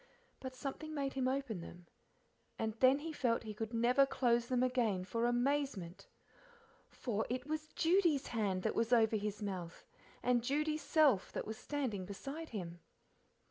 But something made him open them, and then he felt he could never close them again for amazement. For, it was Judy's hand that was over his mouth, and Judy's self that was standing beside him.